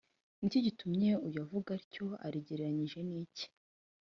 ni iki gitumye uyu avuga atyo arigereranyije ni iki‽